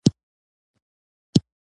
سوله یې ارمان دی ،.